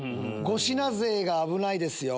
５品勢が危ないですよ。